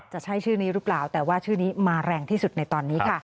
จะใช่ชื่อนี้หรือเปล่าแต่ว่าชื่อนี้มาแรงที่สุดในตอนนี้ค่ะ